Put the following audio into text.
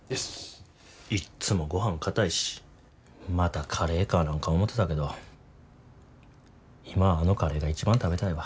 いっつもごはんかたいしまたカレーかなんか思てたけど今あのカレーが一番食べたいわ。